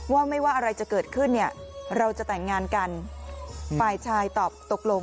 ว่าไม่ว่าอะไรจะเกิดขึ้นเนี่ยเราจะแต่งงานกันฝ่ายชายตอบตกลง